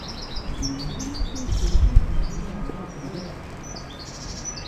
De nos jours, cet objet est défini en tant que galaxie.